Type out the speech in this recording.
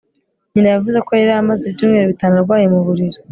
nyina yavuze ko yari amaze ibyumweru bitanu arwaye mu buriri